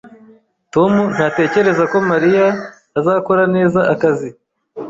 Tom ntatekereza ko Mariya azakora neza akazi